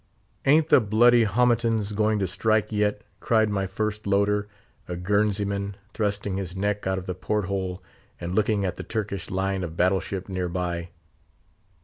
'Ain't the bloody 'Hometons going to strike yet?' cried my first loader, a Guernsey man, thrusting his neck out of the port hole, and looking at the Turkish line of battle ship near by.